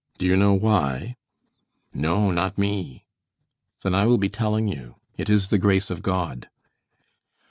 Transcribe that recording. Do you know why?" "No, not me." "Then I will be telling you. It is the grace of God."